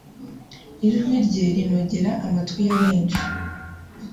ijwi rye rinogera amatwi ya benshi